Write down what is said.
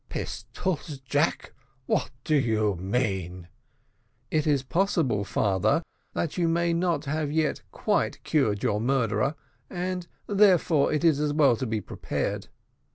"Right! pistols, Jack! What do you mean?" "It is possible, father, that you may not have yet quite cured your murderer, and therefore it is as well to be prepared.